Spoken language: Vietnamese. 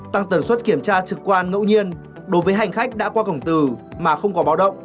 tăng tần suất kiểm tra trực quan ngẫu nhiên đối với hành khách đã qua cổng từ mà không có báo động